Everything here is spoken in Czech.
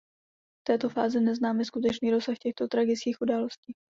V této fázi neznáme skutečný rozsah těchto tragických událostí.